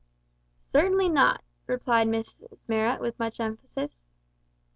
"Cer'nly not!" replied Mrs Marrot with much emphasis.